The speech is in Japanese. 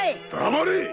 黙れ！